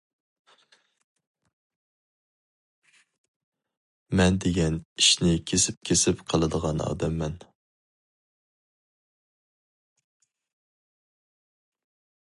مەن دېگەن ئىشنى كېسىپ كېسىپ قىلىدىغان ئادەممەن.